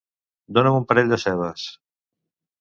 Dona'm un parell de cebes